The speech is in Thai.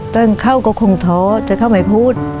ตอนเข้าก็คงท้อจะเข้าไม่พูด